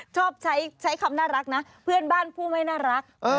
ชอบใช้คำน่ารักนะเพื่อนบ้านผู้ไม่น่ารัก